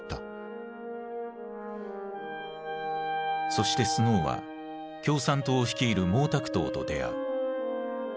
そしてスノーは共産党を率いる毛沢東と出会う。